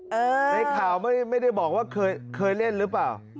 ในข่าวไม่ได้บอกว่าเคยเล่นหรือเปล่า